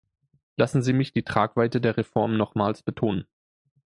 Lassen Sie mich die Tragweite der Reform nochmals betonen.